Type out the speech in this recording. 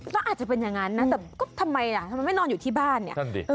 ก็อาจจะเป็นอย่างนั้นนะแต่ก็ทำไมล่ะทำไมไม่นอนอยู่ที่บ้านเนี่ย